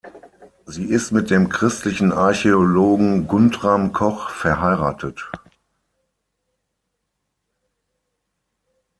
Sie ist mit dem Christlichen Archäologen Guntram Koch verheiratet.